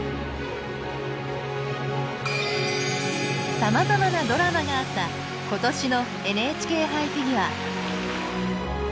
さまざまなドラマがあった今年のＮＨＫ杯フィギュア。